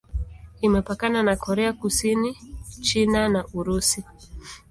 Imepakana na Korea Kusini, China na Urusi.